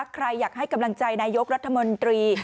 ใครอยากให้กำลังใจนายกรัฐมนตรี